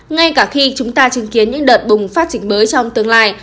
ngay cả khi chúng ta chứng kiến những đợt bùng phát dịch mới trong tương lai